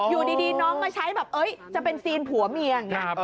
อยู่ตากลงน้องมาใช้อ๊ะจะเป็นซีนผัวเมีย